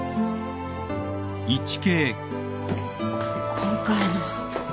今回の。